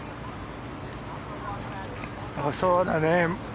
そうだね。